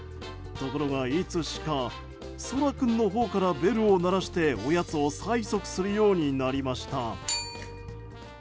ところが、いつしかそら君のほうからベルを鳴らしておやつを催促するようになりました。